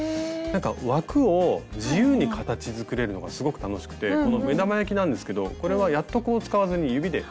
なんか枠を自由に形づくれるのがすごく楽しくてこの目玉焼きなんですけどこれはやっとこを使わずに指で。